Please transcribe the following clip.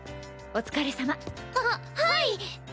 お疲れさま。ははい！